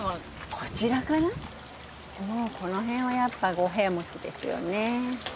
この辺はやっぱ五平餅ですよね。